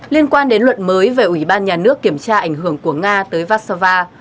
liên quan đến luật mới về ủy ban nhà nước kiểm tra ảnh hưởng của nga tới vásova